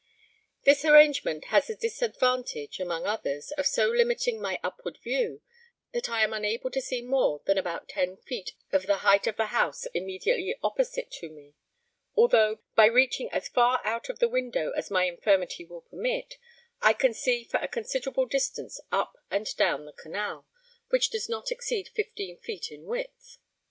This arrangement has the disadvantage (among others) of so limiting my upward view that I am unable to see more than about ten feet of the height of the house immediately opposite to me, although, by reaching as far out of the window as my infirmity will permit, I can see for a considerable distance up and down the canal, which does not exceed fifteen feet in width.